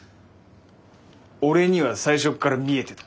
俺には最初っから見えてた。